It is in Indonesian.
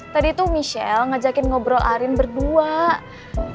tadi tuh michelle ngajakin ngobrol arin berdua